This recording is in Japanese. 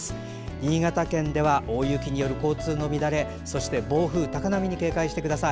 新潟県では大雪による交通の乱れ暴風、高波に警戒してください。